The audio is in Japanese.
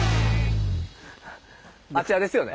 あちらですよね。